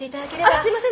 あっすいません。